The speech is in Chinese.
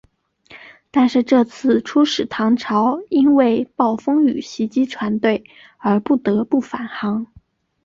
但是这次出使唐朝因为暴风雨袭击船队而不得不返航。